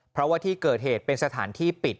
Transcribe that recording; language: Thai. เพราะว่าที่เกิดเหตุเป็นสถานที่ปิด